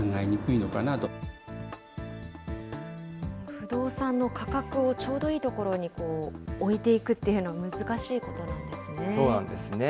不動産の価格をちょうどいいところに置いていくというのは、そうなんですね。